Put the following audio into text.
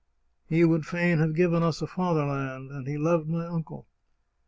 He would fain have given us a fatherland, and he loved my uncle